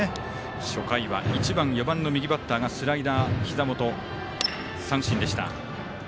初回は１番、４番の右バッターがスライダーひざ元三振でした。